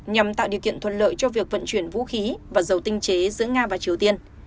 nhằm tạo điều kiện thuận lợi cho việc vận chuyển vũ khí và dầu tinh chế giữa nga và triều tiên